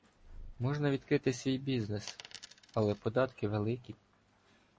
Можна відкрити свій бізнес – але податки великі